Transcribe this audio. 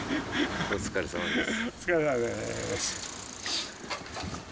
お疲れさまです。